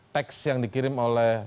teks yang dikirim oleh